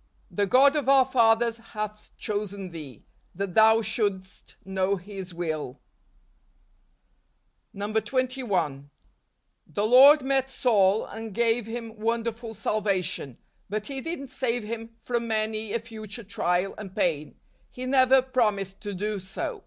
" The God of our fathers hath chosen thee, that thou shouldst know his will." 21. The Lord met Saul and gave him wonderful salvation, but He didn't save him from many a future trial and pain. He never promised to do so.